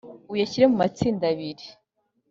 uyashyire mu matsinda abiri